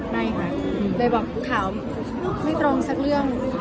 ไม่ค่ะเลยบอกถามไม่ตรงสักเรื่อง